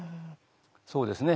そうですね。